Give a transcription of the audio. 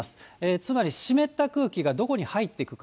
つまり湿った空気がどこに入っていくか。